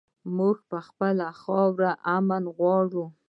مونږ پر خپله خاوره امن غواړو